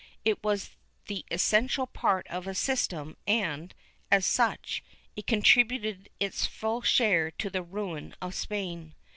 ^ It Vv as the essential part of a system and, as such, it contributed its full share to the ruin of Spain.